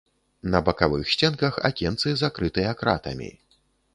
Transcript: На бакавых сценках акенцы, закрытыя кратамі.